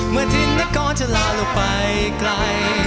เมื่อทิ้นนักก้อนจะลาลงไปไกล